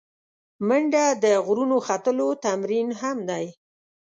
منډه د غرونو ختلو تمرین هم دی